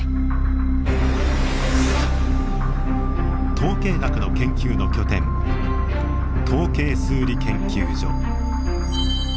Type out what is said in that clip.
統計学の研究の拠点統計数理研究所。